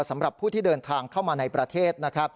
สำหรับผู้ที่เดินทางเข้ามาในประเทศนะครับ